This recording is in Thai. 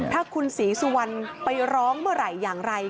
ถ้าคุณศรีสุวรรณไปร้องเมื่อไหร่อย่างไร